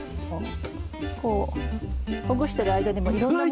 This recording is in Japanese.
こうほぐしてる間にもいろんな。